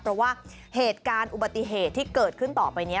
เพราะว่าเหตุการณ์อุบัติเหตุที่เกิดขึ้นต่อไปนี้